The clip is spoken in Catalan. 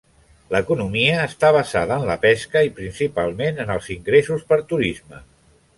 L'economia està basada en la pesca i principalment en els ingressos per turisme.